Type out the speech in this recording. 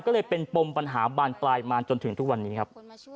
ก็เลยเป็นปมปัญหาบานปลายมาจนถึงทุกวันนี้ครับ